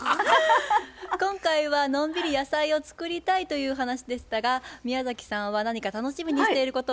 今回はのんびり野菜を作りたいという話でしたが宮崎さんは何か楽しみにしていることはありますか？